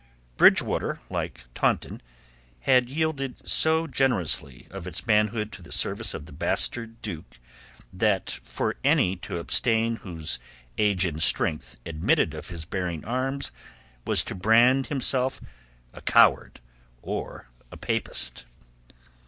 Bridgewater, like Taunton, had yielded so generously of its manhood to the service of the bastard Duke that for any to abstain whose age and strength admitted of his bearing arms was to brand himself a coward or a papist.